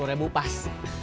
nih sepuluh rebu pas